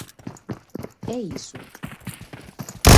¿É iso?